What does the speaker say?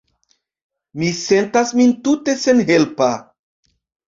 Mi sentas min tute senhelpa.